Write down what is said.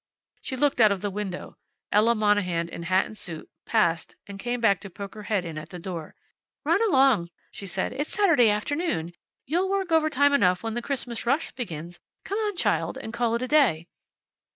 She looked out of the window. Ella Monahan, in hat and suit, passed and came back to poke her head in the door. "Run along!" she said. "It's Saturday afternoon. You'll work overtime enough when the Christmas rush begins. Come on, child, and call it a day!"